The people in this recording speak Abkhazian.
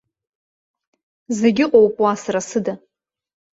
Зегь ыҟоуп уа, сара сыда.